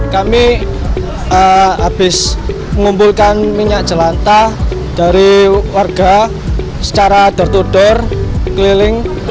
kami habis mengumpulkan minyak jelantah dari warga secara der der keliling